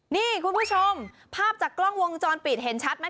นี่คุณผู้ชมภาพจากกล้องวงจรปิดเห็นชัดไหม